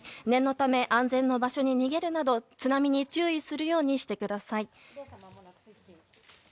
念のため安全な場所に逃げるなど津波に注意するようにしてください。